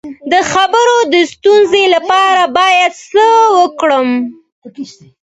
د خبرو د ستونزې لپاره باید څه وکړم؟